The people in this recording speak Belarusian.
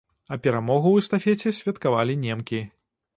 А перамогу ў эстафеце святкавалі немкі.